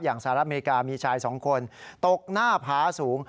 สหรัฐอเมริกามีชาย๒คนตกหน้าผาสูง